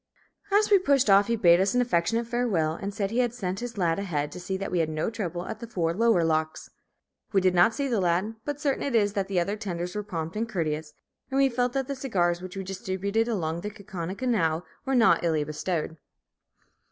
As we pushed off he bade us an affectionate farewell, and said he had sent his "lad" ahead to see that we had no trouble at the four lower locks. We did not see the lad; but certain it is that the other tenders were prompt and courteous, and we felt that the cigars which we distributed along the Kaukauna Canal were not illy bestowed.